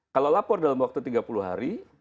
kalau lapor dalam waktu tiga puluh hari